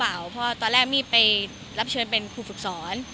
เพราะตอนแรกมี่ไปรับเชิญเป็นครูฝึกสอน